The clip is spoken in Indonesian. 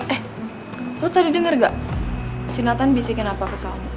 eh lo tadi denger gak si natan bisikin apa ke salma